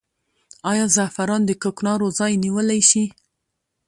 آیا زعفران د کوکنارو ځای نیولی شي؟